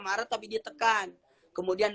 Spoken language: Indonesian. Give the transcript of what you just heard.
marah tapi ditekan kemudian